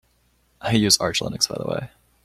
I use Arch Linux by the way.